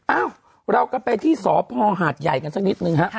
เอ้าเราก็ไปที่สพหาดใหญ่กันสักนิดนึงฮะ